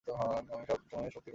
আমি সব সময়ে শক্তির কথাই বলিয়াছি।